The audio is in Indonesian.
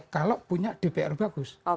kalau punya dpr bagus